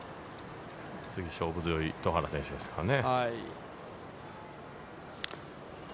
次、勝負強い糸原選手ですからね。